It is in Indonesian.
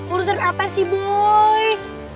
urusan apa sih boy